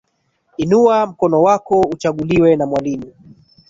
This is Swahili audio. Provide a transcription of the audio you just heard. Inua mkono wako uchaguliwe na mwalimu